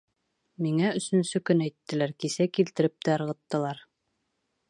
Миңә өсөнсө көн әйттеләр, кисә килтереп тә ырғыттылар.